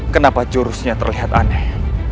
kenapa jurusnya terlihat aneh